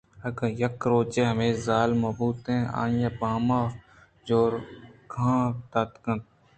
اگاں یک روچے ہمے زال مہ بوتیں آئی ءِ بام ءَ جورکاں داتگ اَت